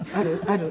ある？